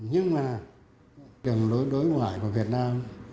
nhưng mà đường lối đối ngoại của việt nam